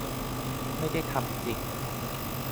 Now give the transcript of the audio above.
ไม่ได้ทำจริง